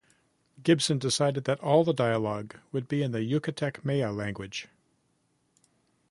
Gibson decided that all the dialogue would be in the Yucatec Maya language.